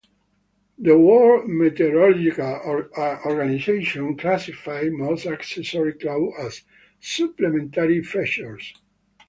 The World Meteorological Organization classifies most accessory clouds as "supplementary features".